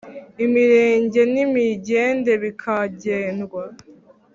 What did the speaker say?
Imirenge n'imigende bikagendwa.